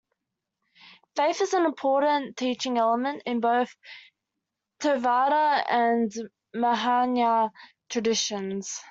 Faith is an important teaching element in both Theravada and Mahayana traditions.